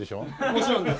もちろんです！